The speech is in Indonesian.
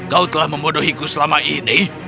kau telah membodohiku selama ini